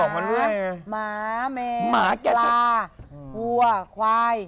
มีหมาแมวปลาวัวควาย